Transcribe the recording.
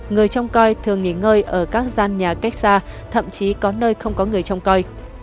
người trông coi thường nghỉ ngơi ở các gian nhà cách xa thậm chí có nơi không có người trông coi